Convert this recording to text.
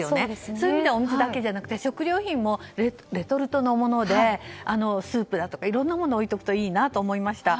そういう意味ではお水だけではなく食料品もレトルトのものでスープだとかいろんなものを置いておくといいなと思いました。